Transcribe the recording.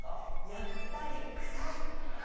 やっぱりクサい！